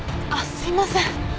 すいません。